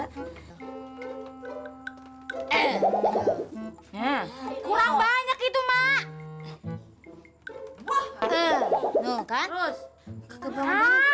eh kurang banyak itu mah